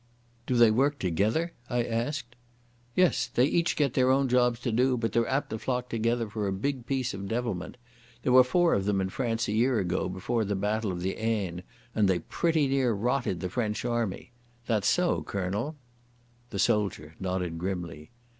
"Do they work together?" I asked. "Yes. They each get their own jobs to do, but they're apt to flock together for a big piece of devilment. There were four of them in France a year ago before the battle of the Aisne, and they pretty near rotted the French Army. That's so, Colonel?" The soldier nodded grimly.